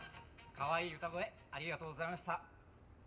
カワイイ歌声ありがとうございました。